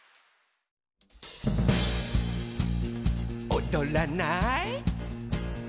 「おどらない？」